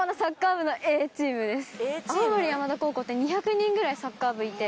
青森山田高校って２００人ぐらいサッカー部いて。